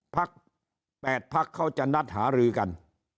พัก๘พักเขาจะนัดหารือกัน